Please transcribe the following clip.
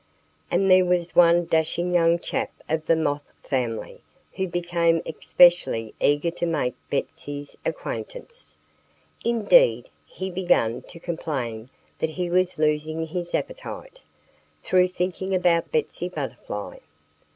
And there was one dashing young chap of the Moth family who became especially eager to make Betsy's acquaintance. Indeed, he began to complain that he was losing his appetite, through thinking about Betsy Butterfly.